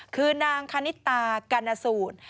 คือนางฆนนิตากาณสูท